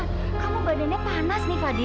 kamu badannya panas nih fadi